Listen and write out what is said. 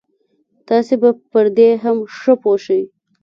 تاسې به پر دې هم ښه پوه شئ.